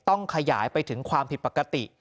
ต้องขยายไปถึงความผิดปกติ